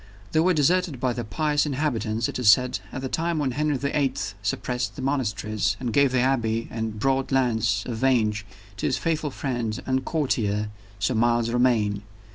They were deserted by the pious inhabitants, it is said, at the time when Henry the Eighth suppressed the monasteries, and gave the Abbey and the broad lands of Vange to his faithful friend and courtier, Sir Miles Romayne.